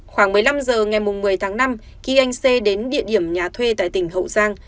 khoảng một mươi năm h ngày một mươi tháng năm khi anh xê đến địa điểm nhà thuê tại tỉnh hậu giang